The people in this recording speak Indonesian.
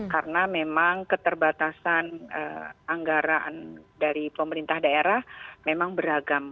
karena memang keterbatasan anggaran dari pemerintah daerah memang beragam